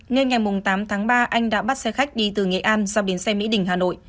nên ngày tám tháng ba anh đã bắt xe khách đi từ nghệ an ra biến xe mỹ đình hà nội